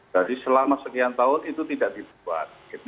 jadi selama sekian tahun itu tidak dibuat